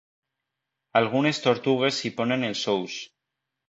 Algunes tortugues hi ponen els ous.